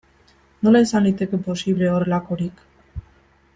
Nola izan liteke posible horrelakorik?